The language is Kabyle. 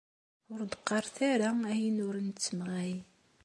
Ur d-qqaret ara ayen ur nettemɣay!